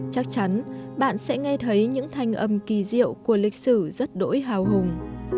chắc chắn bạn sẽ nghe thấy những thanh âm kỳ diệu của lịch sử rất đỗi hào hùng